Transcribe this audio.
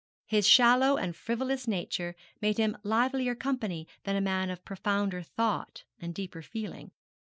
His shallow and frivolous nature made him livelier company than a man of profounder thought and deeper feeling.